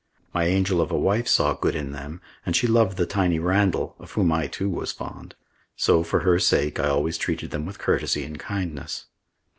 My angel of a wife saw good in them, and she loved the tiny Randall, of whom I too was fond; so, for her sake, I always treated them with courtesy and kindness.